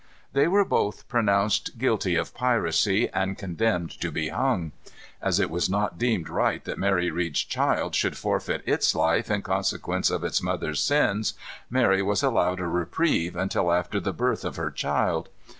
They were both pronounced guilty of piracy, and condemned to be hung. As it was not deemed right that Mary Read's child should forfeit its life in consequence of its mother's sins, Mary was allowed a reprieve, until after the birth of her child.